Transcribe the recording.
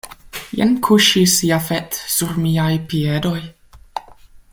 Jen kuŝis Jafet sur miaj piedoj.